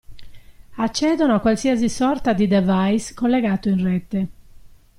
Accedono a qualsiasi sorta di device collegato in rete.